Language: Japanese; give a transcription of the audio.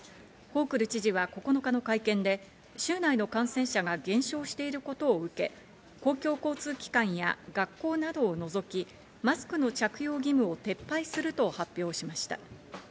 ホークル知事は９日の会見で、州内の感染者が減少していることを受け、公共交通機関や学校などを除き、マスクの着用義務を撤廃すると発表しました。